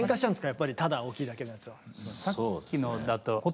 やっぱりただ大きいだけだと。